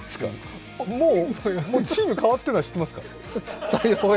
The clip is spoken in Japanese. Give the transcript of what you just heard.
もうチーム変わってるのは知ってますか？